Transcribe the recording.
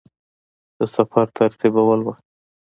د سفر ترتیبول وه.